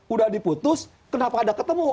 udah diputus kenapa ada ketemu